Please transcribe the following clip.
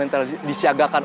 yang telah disiagakan